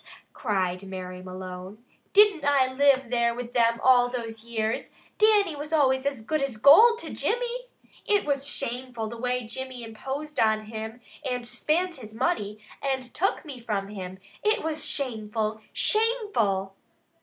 cried Mary Malone. "Didn't I live there with them all those years? Dannie always was good as gold to Jimmy. It was shameful the way Jimmy imposed on him, and spint his money, and took me from him. It was shameful! Shameful!"